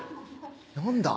何だ？